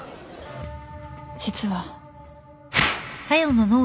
実は